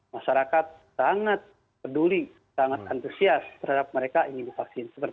masyarakat sangat peduli sangat antusias terhadap mereka ingin divaksin